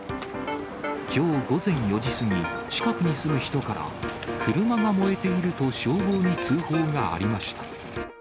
きょう午前４時過ぎ、近くに住む人から車が燃えていると消防に通報がありました。